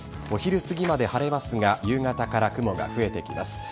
お昼過ぎまで晴れますが、夕方から雲が増えてきます。